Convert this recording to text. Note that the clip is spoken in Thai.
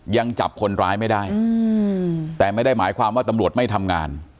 ยังจับคนร้ายไม่ได้แต่ไม่ได้หมายความว่าตำรวจไม่ทำงาน